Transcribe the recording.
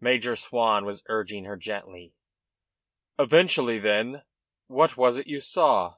Major Swan was urging her gently. "Eventually, then, what was it that you saw?"